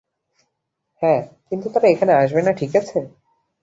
হ্যাঁ, কিন্তু তারা এখানে আসবে না, ঠিক আছে?